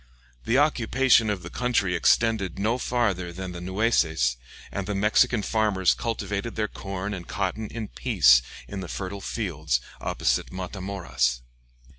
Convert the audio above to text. The occupation of the country extended no farther than the Nueces, and the Mexican farmers cultivated their corn and cotton in peace in the fertile fields opposite Matamoras.